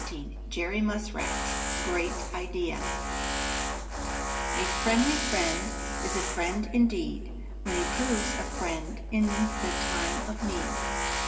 XIX JERRY MUSKRAT'S GREAT IDEA A friendly friend is a friend indeed When he proves a friend in the time of need.